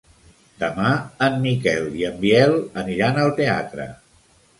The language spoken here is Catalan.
Demà en Miquel i en Biel aniran al teatre.